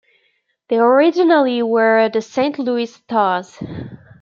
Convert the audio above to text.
They originally were the Saint Louis Stars.